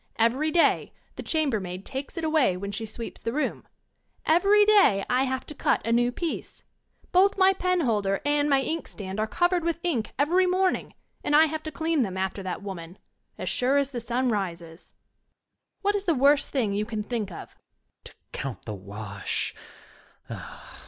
Every day the chambermaid takes it away when she sweeps the room. Every day I have to cut a new piece. Both my penholder and my inkstand are covered with ink every morning, and I have to clean them after that woman — ^as sure as the sun rises. What is the worst thing you can think of? Student. To count the wash.